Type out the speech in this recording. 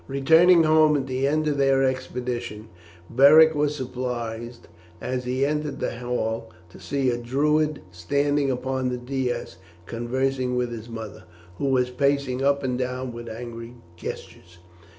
Returning home at the end of their expedition Beric was surprised as he entered the hall to see a Druid standing upon the dais conversing with his mother, who was pacing up and down with angry gestures.